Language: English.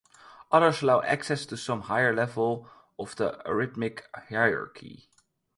Others allow access to some higher level of the arithmetic hierarchy.